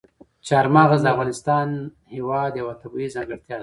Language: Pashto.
چار مغز د افغانستان هېواد یوه طبیعي ځانګړتیا ده.